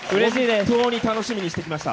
本当に楽しみにしてきました。